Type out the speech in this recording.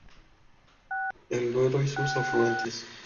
El Duero y sus afluentes.